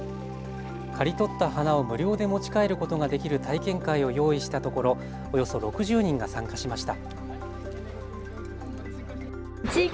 刈り取った花を無料で持ち帰ることができる体験会を用意したところ、およそ６０人が参加しました。